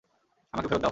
আমাকে ফেরত দাও!